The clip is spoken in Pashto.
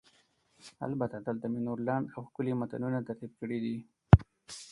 البته، دلته مې نور لنډ او ښکلي متنونه ترتیب کړي دي: